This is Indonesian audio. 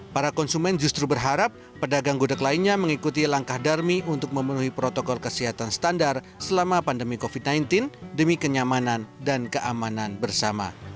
para konsumen justru berharap pedagang gudeg lainnya mengikuti langkah darmi untuk memenuhi protokol kesehatan standar selama pandemi covid sembilan belas demi kenyamanan dan keamanan bersama